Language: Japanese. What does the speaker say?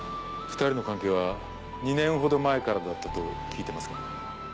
２人の関係は２年ほど前からだったと聞いてますが。